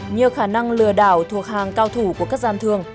nhiều khả năng lừa đảo thuộc hàng cao thủ của các gian thường